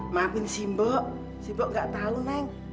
maafin simbok simbok gak tahu neng